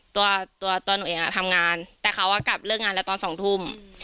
ตัวตัวหนูเองทำงานแต่เขากลับเลิกงานแล้วตอน๒ทุ่ม